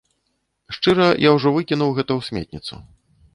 Шчыра, я ужо выкінуў гэта ў сметніцу.